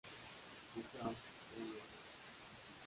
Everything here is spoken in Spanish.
Durham, Reino Unido.